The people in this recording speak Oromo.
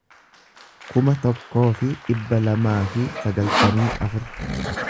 kuma tokkoo fi dhibba lamaa fi sagaltamii afur